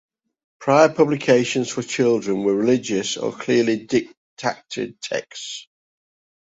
Prior publications for children were religious or clearly didactic texts.